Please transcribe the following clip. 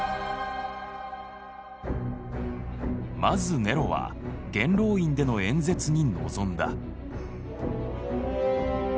まずネロは元老院での演説に臨んだ。